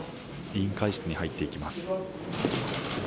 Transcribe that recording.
委員会室に入っていきます。